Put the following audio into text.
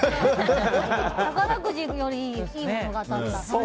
宝くじよりいいのが当たった。